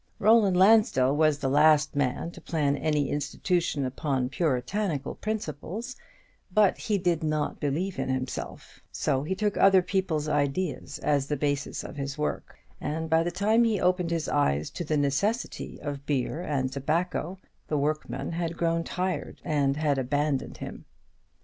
Roland Lansdell was the last man to plan any institution upon puritanical principles; but he did not believe in himself, so he took other people's ideas as the basis of his work; and by the time he opened his eyes to the necessity of beer and tobacco, the workman had grown tired and had abandoned him.